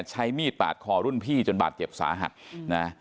ใช้มีดปาดคอรุ่นพี่จนบาดเจ็บสาหัสนะ